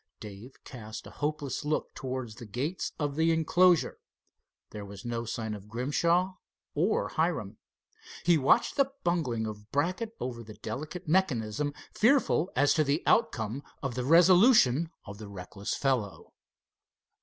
Dave cast a hopeless look towards the gates of the enclosure. There was no sign of Grimshaw or Hiram. He watched the bungling of Brackett over the delicate mechanism, fearful as to the outcome of the resolution of the reckless fellow.